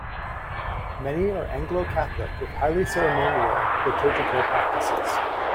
Many are Anglo-Catholic with highly ceremonial liturgical practices.